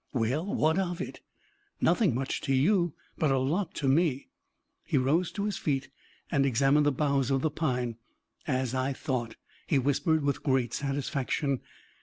"Well, what of it?" "Nothing much to you, but a lot to me." He rose to his feet and examined the boughs of the pine. "As I thought," he whispered with great satisfaction.